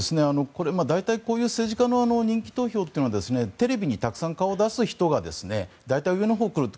大体、こういう政治家の人気投票というのはテレビにたくさん顔を出す人が大体上のほうに来ると。